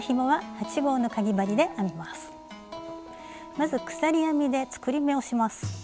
まず鎖編みで作り目をします。